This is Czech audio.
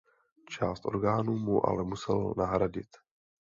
Část orgánů mu ale musel nahradit.